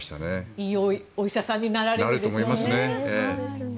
いいお医者さんになられるでしょうね。